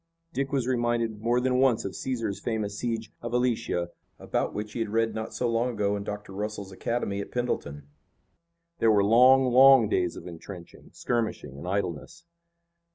Dick was reminded more than once of Caesar's famous siege of Alesia, about which he had read not so long ago in Dr. Russell's academy at Pendleton. There were long, long days of intrenching, skirmishing and idleness.